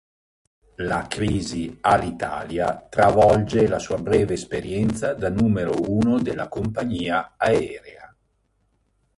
La crisi Alitalia travolge la sua breve esperienza da numero uno della compagnia aerea.